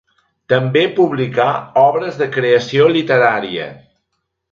També publicà obres de creació literària.